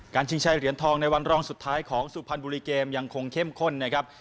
ชิงชัยเหรียญทองในวันรองสุดท้ายของสุพรรณบุรีเกมยังคงเข้มข้นนะครับ